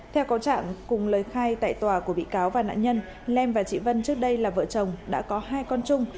theo có trạng cùng lời khai tại tòa của bị cáo và nạn nhân lem và chị vân trước đây là vợ chồng đã có hai con chung